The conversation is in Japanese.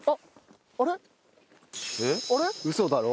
嘘だろ？